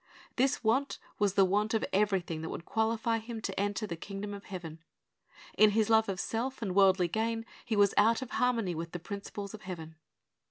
This want was the want of everything that would qualify him to enter the kingdom of heaven. In his love of self and worldly gain he was out of harmony with the principles of heaven.